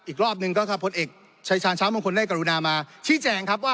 อีกรอบนึงพลเอ็กซ์ชายชาติช้าวมงคลไนการุนาชี้แจง